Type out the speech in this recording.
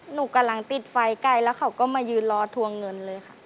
หนูกำลังติดไฟใกล้แล้วเขาก็มายืนรอทวงเงินเลยค่ะ